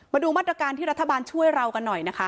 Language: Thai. มาดูมาตรการที่รัฐบาลช่วยเรากันหน่อยนะคะ